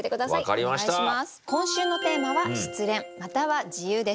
お願いします。